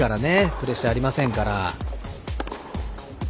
プレッシャーありませんから。